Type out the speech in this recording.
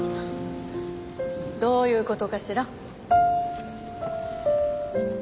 どういう事かしら？